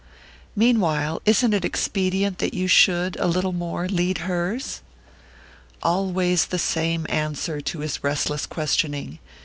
"Meanwhile, isn't it expedient that you should, a little more, lead hers?" Always the same answer to his restless questioning!